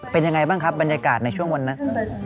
เป็นยังไงบ้างครับบรรยากาศในช่วงวันนั้น